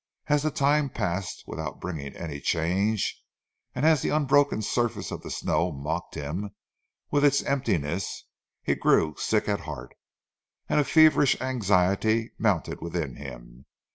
As the time passed without bringing any change, and as the unbroken surface of the snow mocked him with its emptiness, he grew sick at heart, and a feverish anxiety mounted within him.